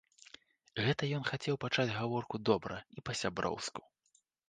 Гэта ён хацеў пачаць гаворку добра і па-сяброўску.